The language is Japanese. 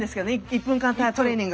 １分間トレーニング。